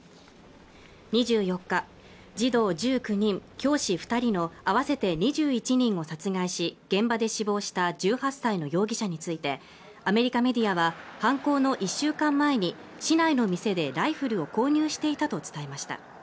２４日児童１９人教師二人の合わせて２１人を殺害し現場で死亡した１８歳の容疑者についてアメリカメディアは犯行の１週間前に市内のお店でライフルを購入していたと伝えました